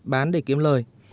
bán để kiếm lời